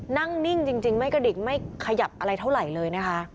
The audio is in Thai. นั่งนิ่งจริงไม่กระดิษฐ์ไม่ขยับอะไรเท่าไหร่เลย